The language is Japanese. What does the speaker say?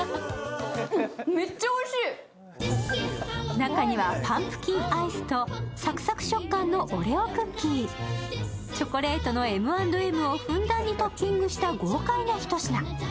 中にはパンプキンアイスとサクサク食感のオレオクッキー、チョコレートのＭ＆Ｍをふんだんにトッピングした豪快な一品。